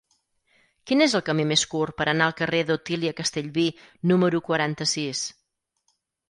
Quin és el camí més curt per anar al carrer d'Otília Castellví número quaranta-sis?